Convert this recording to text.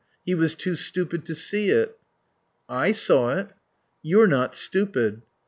He was too stupid to see it." "I saw it." "You're not stupid."